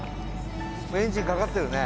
エンジンかかってるね。